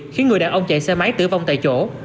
khiến người đàn ông chạy xe máy tử vong tại chỗ